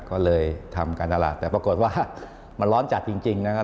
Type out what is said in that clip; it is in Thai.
ก็เลยทำการตลาดแต่ปรากฏว่ามันร้อนจัดจริงนะครับ